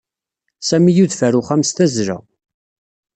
Sami yudef ɣer uxxam s tazzla.